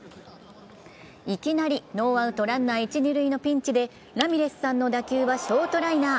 いきなりノーアウトランナー一・二塁のピンチで、ラミレスさんの打球はショートライナー。